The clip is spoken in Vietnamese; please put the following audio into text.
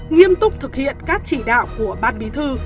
nghiêm túc thực hiện các chỉ đạo của ban bí thư